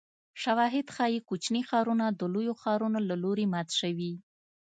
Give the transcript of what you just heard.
شواهد ښيي کوچني ښارونه د لویو ښارونو له لوري مات شوي